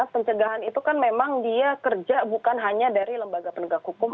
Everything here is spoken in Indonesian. pencegahan itu kan memang dia kerja bukan hanya dari lembaga penegak hukum